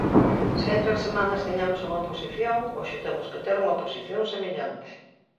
Se hai tres semanas tiñamos unha posición, hoxe temos que ter unha posición semellante.